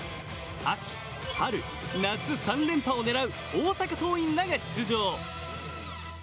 秋、春、夏３連覇を狙う大阪桐蔭らが出場。